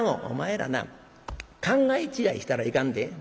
「お前らな考え違いしたらいかんで。